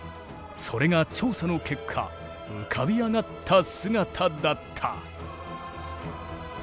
それが調査の結果浮かび上がった姿だった。